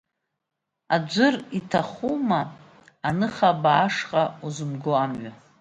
Аӡәыр иҭахума аныхабаа ашҟа узымго амҩа?!